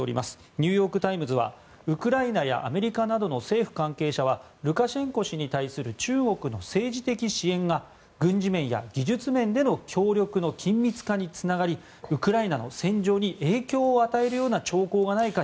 ニューヨーク・タイムズはウクライナやアメリカなどの政府関係者はルカシェンコ氏に対する中国の政治的支援が軍事面や技術面での協力の緊密化につながりウクライナの戦場に影響を与えるような兆候がないか